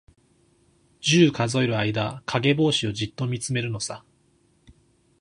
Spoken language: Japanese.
十、数える間、かげぼうしをじっとみつめるのさ。